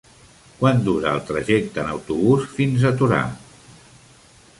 Quant dura el trajecte en autobús fins a Torà?